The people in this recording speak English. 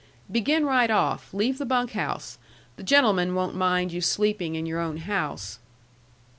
"Begin right off. Leave the bunk house. The gentlemen won't mind your sleeping in your own house."